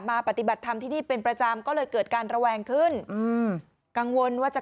ปฏิบัติธรรมที่นี่เป็นประจำก็เลยเกิดการระแวงขึ้นอืมกังวลว่าจะ